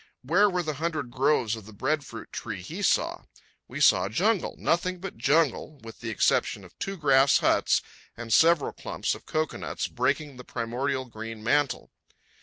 Where were the hundred groves of the breadfruit tree he saw? We saw jungle, nothing but jungle, with the exception of two grass huts and several clumps of cocoanuts breaking the primordial green mantle.